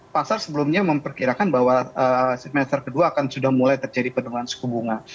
pasar sebelumnya memperkirakan bahwa semester kedua akan sudah mulai terjadi penurunan suku bunga